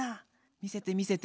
見せて見せて。